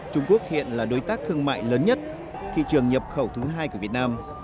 trung quốc hiện là đối tác thương mại lớn nhất thị trường nhập khẩu thứ hai của việt nam